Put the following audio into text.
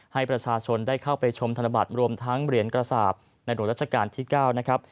ให้ประชาชนได้เข้าไปชมธนบัตรรวมทั้งเหรียญกระสาปในหลวงราชการที่๙นะครับ